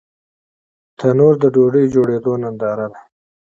تنور د ډوډۍ جوړېدو ننداره ده